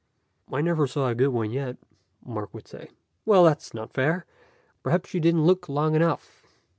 "I never saw a good one yet," Mark would say. "Well, that's not fair. Perhaps you didn't look long enough.